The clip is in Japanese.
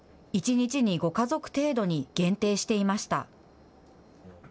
１日に５家族程度に限定していました。